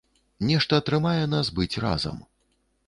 Нешта трымае нас быць разам.